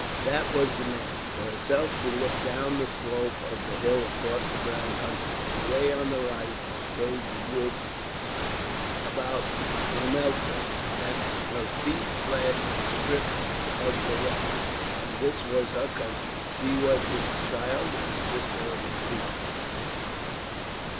That was the man. For herself, she looked down the slope of the hill across the brown country. Away on the right waved the woods about Ramelton, at her feet flashed a strip of the Lough; and this was her country; she was its child and the sister of its people.